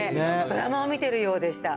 ドラマを見てるようでした。